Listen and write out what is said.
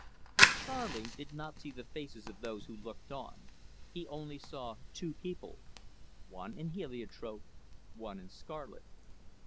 But Charley did not see the faces of those who looked on; he only saw two people one in heliotrope, one in scarlet.